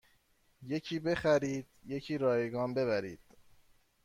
یکی بخرید یکی رایگان بگیرید